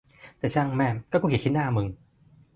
แต่ช่างแม่มก็กรูเกลียดขี้หน้ามึม